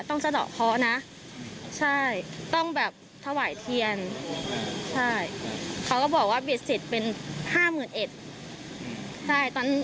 ต้องต่อกค้อนะตต้องแบบถวัยเทียนมันต้องแบบเทวายเทียน